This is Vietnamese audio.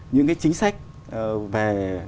những cái chính sách về